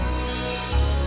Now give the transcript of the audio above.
aku udah taksi aja ya tante